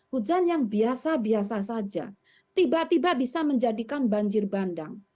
hujan yang biasa biasa saja tiba tiba bisa menjadikan banjir bandang